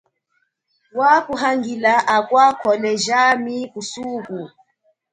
Wakuhangila akwa khole jami kusuku.